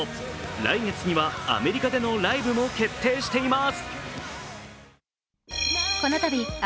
来月にはアメリカでのライブも決定しています。